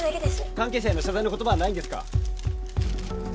関係者への謝罪の言葉はないんですか？